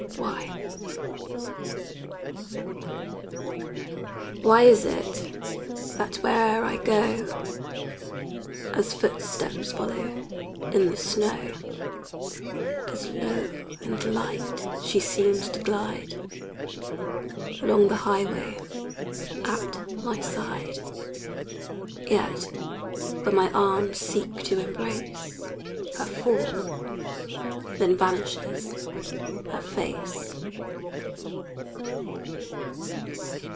Why? Why is it that where'er I go, As footsteps follow in the snow, As low and light, she seems to glide Along the highway at my side? Yet, when my arms seek to embrace Her form, then vanishes her face.